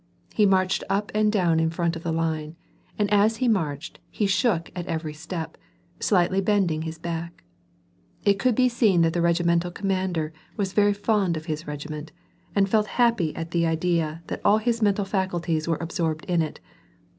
He marched up and down in front of the line, and as he marched he shook at every step, slightly bending his hack. It could be seen that the regimental commander was very fond of his regiment, and felt happy at the idea that all his mental faculties were absorbed in it.